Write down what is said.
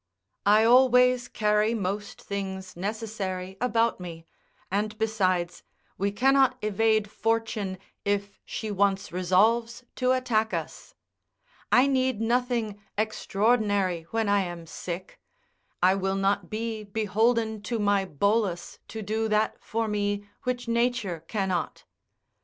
I always carry most things necessary about me; and besides, we cannot evade Fortune if she once resolves to attack us. I need nothing extraordinary when I am sick. I will not be beholden to my bolus to do that for me which nature cannot.